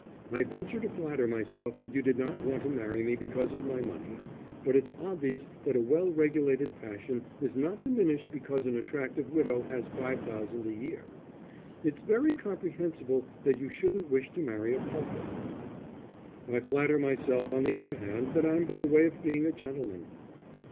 I venture to flatter myself that you did not want to marry me because of my money, but it's obvious that a well regulated passion is not diminished because an attractive widow has five thousand a year. It's very comprehensible that you shouldn't wish to marry a pauper." "I flatter myself on the other hand that I'm by way of being a gentleman."